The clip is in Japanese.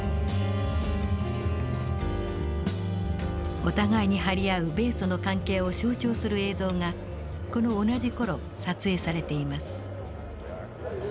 お互いに張り合う米ソの関係を象徴する映像がこの同じ頃撮影されています。